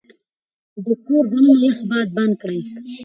د کور دننه يخ باد بند کړئ.